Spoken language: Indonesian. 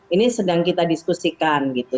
ini sedang kita diskusikan gitu